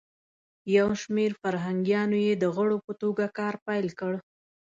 یو شمیر فرهنګیانو یی د غړو په توګه کار پیل کړ.